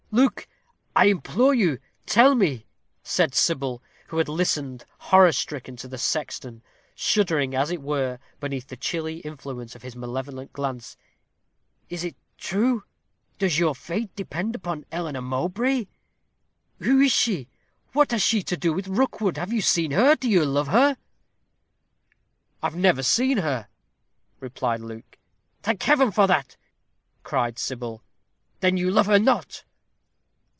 "Luke, I implore you, tell me," said Sybil, who had listened, horror stricken, to the sexton, shuddering, as it were, beneath the chilly influence of his malevolent glance, "is this true? Does your fate depend upon Eleanor Mowbray? Who is she? What has she to do with Rookwood? Have you seen her? Do you love her?" "I have never seen her," replied Luke. "Thank Heaven for that!" cried Sybil. "Then you love her not?"